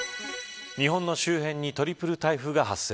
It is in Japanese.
日本の周辺にトリプル台風が発生。